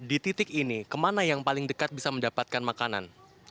di titik ini kemana yang paling dekat bisa mendapatkan makanan